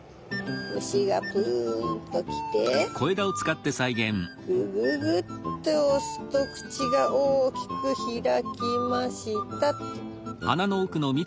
虫がブンと来てグググッと押すと口が大きく開きました。